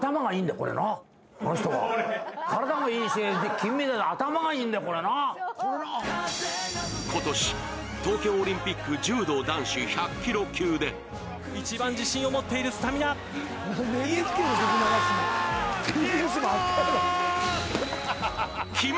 この人は体もいいし金メダル今年東京オリンピック柔道男子１００キロ級で一番自信を持っているスタミナいったー！